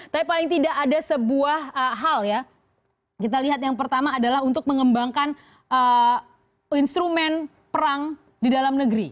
tapi paling tidak ada sebuah hal ya kita lihat yang pertama adalah untuk mengembangkan instrumen perang di dalam negeri